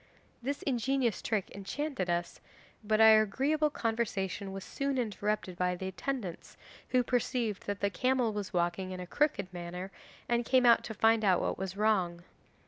This ingenious trick enchanted us, but our agreeable conversation was soon interrupted by the attendants, who perceived that the camel was walking in a crooked manner and came to find out what was wrong.